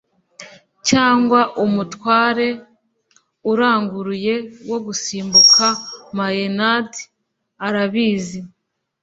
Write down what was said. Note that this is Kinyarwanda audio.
cyangwa umutware uranguruye wo gusimbuka maenad arabizi